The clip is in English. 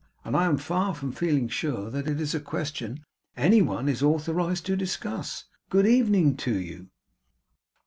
And I am far from feeling sure that it is a question any one is authorized to discuss. Good evening to you.